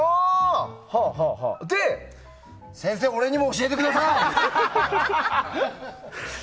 先生、俺にも教えてください！